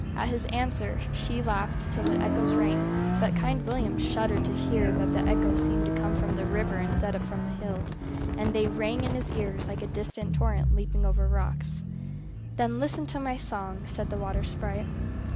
At his answer she laughed till the echoes rang, but Kind William shuddered to hear that the echoes seemed to come from the river instead of from the hills; and they rang in his ears like a distant torrent leaping over rocks. "Then listen to my song," said the water sprite.